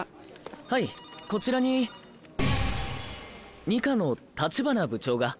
はいこちらに二課の橘部長が。